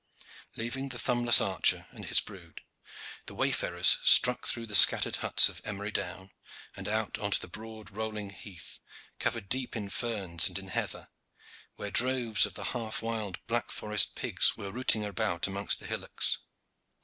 Leaving the thumbless archer and his brood, the wayfarers struck through the scattered huts of Emery Down, and out on to the broad rolling heath covered deep in ferns and in heather, where droves of the half wild black forest pigs were rooting about amongst the hillocks.